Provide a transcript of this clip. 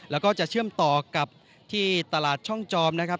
แล้วก็จะเชื่อมต่อกับที่ตลาดช่องจอมนะครับ